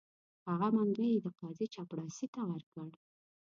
هغه منګی یې د قاضي چپړاسي ته ورکړ.